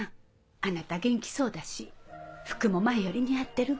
あなた元気そうだし服も前より似合ってるわ。